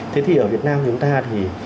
thế thì ở việt nam chúng ta thì